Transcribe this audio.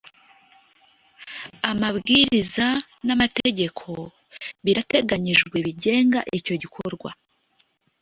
amabwiriza namategeko birateganyijwe bigenga icyo gikorwa